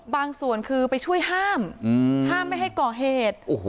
ส่วนคือไปช่วยห้ามห้ามไม่ให้ก่อเหตุ